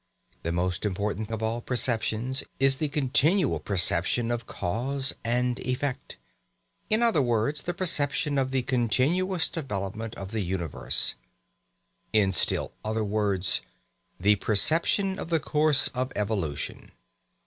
The most important of all perceptions is the continual perception of cause and effect in other words, the perception of the continuous development of the universe in still other words, the perception of the course of evolution.